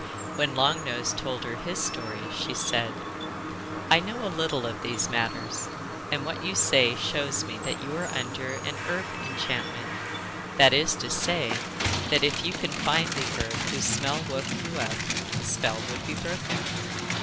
When Long Nose told her his story she said: 'I know a little of these matters, and what you say shows me that you are under a herb enchantment that is to say, that if you can find the herb whose smell woke you up the spell would be broken.